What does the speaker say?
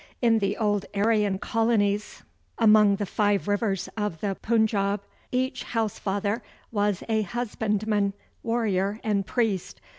In the old Aryan colonies among the Five Rivers of the Punjab, each house father was a husbandman, warrior, and priest.